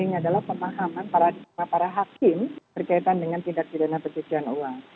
yang paling penting adalah pemahaman para hakim berkaitan dengan tindak pidana perjudian uang